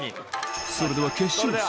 それでは決勝戦